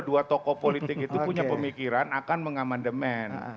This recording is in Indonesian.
dua tokoh politik itu punya pemikiran akan mengamandemen